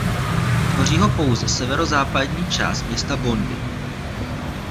Tvoří ho pouze severozápadní část města Bondy.